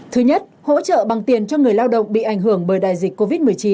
thứ nhất hỗ trợ bằng tiền cho người lao động bị ảnh hưởng bởi đại dịch covid một mươi chín